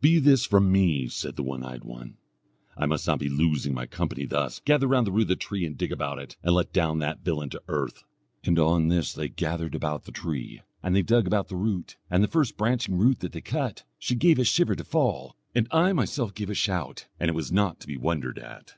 'Be this from me!' said the one eyed one 'I must not be losing my company thus; gather round the root of the tree and dig about it, and let down that villain to earth.' On this they gathered about the tree, and they dug about the root, and the first branching root that they cut, she gave a shiver to fall, and I myself gave a shout and it was not to be wondered at.